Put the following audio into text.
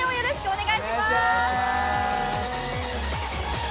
お願いします！